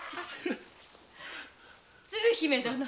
鶴姫殿。